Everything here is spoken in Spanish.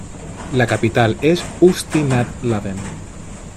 La capital es Ústí nad Labem.